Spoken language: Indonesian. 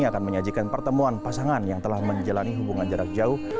akan menyajikan pertemuan pasangan yang telah menjalani hubungan jarak jauh